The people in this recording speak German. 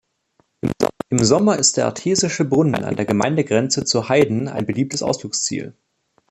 Im Sommer ist der artesische Brunnen an der Gemeindegrenze zu Heiden ein beliebtes Ausflugsziel.